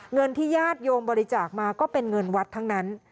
เงินที่ญาติโยมบริจาคมาก็เป็นเงินวัดทั้งนั้น